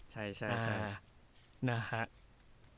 ใช่ใช่